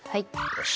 よし。